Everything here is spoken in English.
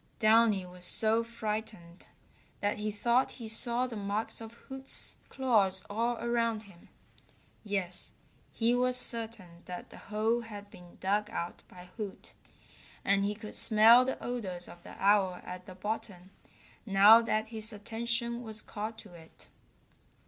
Downy was so frightened that he thought he saw the marks of Hoot's claws all around him. Yes, he was certain that the hole had been dug out by Hoot, and he could smell the odors of the owl at the bottom now that his attention was called to it.